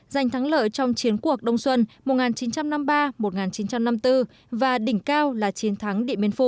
giành thắng lợi trong chiến cuộc đông xuân một nghìn chín trăm năm mươi ba một nghìn chín trăm năm mươi bốn và đỉnh cao là chiến thắng điện biên phủ